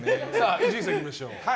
伊集院さん、いきましょう。